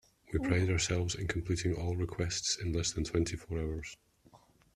We pride ourselves in completing all requests in less than twenty four hours.